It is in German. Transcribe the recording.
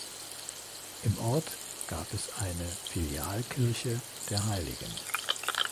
Im Ort gab es eine Filialkirche der hl.